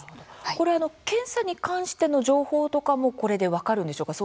これ、検査に関しての情報とかもこれで分かるんでしょうか。